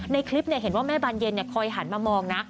ในคลิปเห็นว่าแม่บานเย็นคอยหันมามองนะ